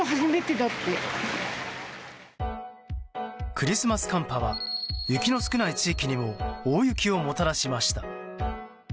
クリスマス寒波は雪の少ない地域にも大雪をもたらしました。